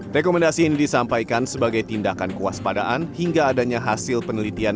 rekomendasi ini disampaikan sebagai tindakan kuas padaan hingga adanya hasil penelitian